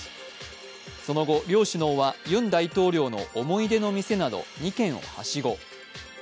その後、両首脳はユン大統領の思い出の店など２軒をはしご。